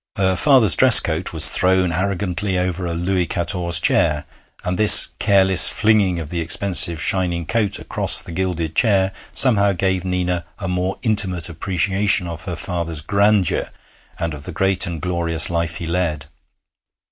Her father's dress coat was thrown arrogantly over a Louis Quatorze chair, and this careless flinging of the expensive shining coat across the gilded chair somehow gave Nina a more intimate appreciation of her father's grandeur and of the great and glorious life he led.